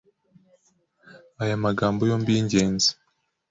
aya magambo yombi y’ingenzi